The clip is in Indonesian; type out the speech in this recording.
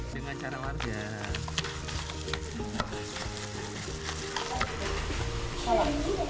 dengan cara warja